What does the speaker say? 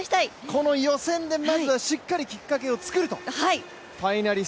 この予選でまずはしっかりきっかけを作ると。